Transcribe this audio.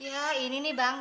yah ini nih bang